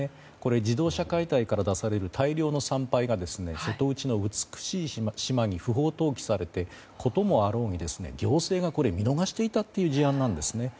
自動車解体から出される大量の産廃が瀬戸内の美しい島に不法投棄されてこともあろうに行政が見逃していたという事案なんですね。